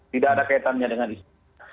tidak ada kaitannya dengan isu